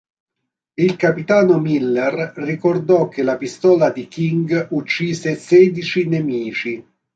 Il capitano Miller ricordò che la pistola di King uccise sedici nemici.